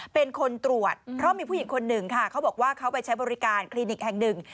เป็นคนตรวจเพราะมีผู้หญิงคนหนึ่งค่ะเขาบอกว่าเขาไปใช้บริการคลินิกแห่งหนึ่ง